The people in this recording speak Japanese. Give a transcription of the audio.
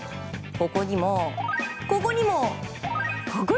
ここにも、ここにも！